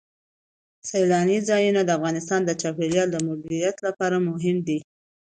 سیلانی ځایونه د افغانستان د چاپیریال د مدیریت لپاره مهم دي.